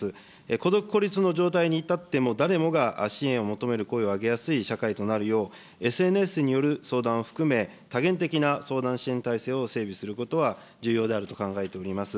孤独・孤立の状態に至っても、誰もが支援を求める声を上げやすい社会となるよう、ＳＮＳによる相談を含め、多元的な相談支援体制を整備することは重要であると考えております。